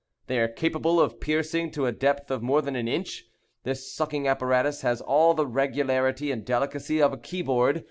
They are capable of piercing to a depth of more than an inch. This sucking apparatus has all the regularity and delicacy of a key board.